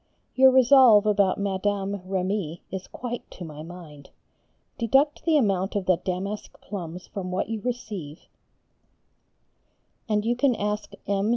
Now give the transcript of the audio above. Your resolve about Madame Raime is quite to my mind. Deduct the amount of the damask plums from what you receive and you can ask M.